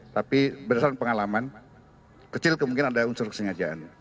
tapi berdasarkan pengalaman kecil kemungkinan ada unsur kesengajaannya